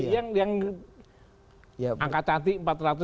yang angka cantik empat ratus empat puluh delapan